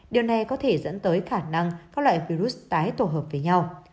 điều này có thể dẫn tới khả năng các loại virus tái tổ hợp với nhau